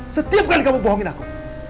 setiap kali kamu bohongin aku